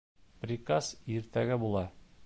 Приказ иртәгә була